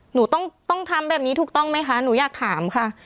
หนูต้องทำแบบนี้ถูกต้องไหมคะหนูอยากถามค่ะ